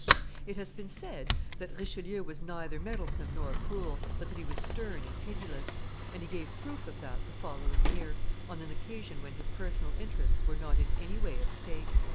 It has been said that Richelieu was neither meddlesome nor cruel, but that he was stern and pitiless; and he gave proof of that the following year, on an occasion when his personal interests were not in any way at stake.